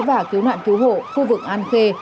và cứu nạn cứu hộ khu vực an khê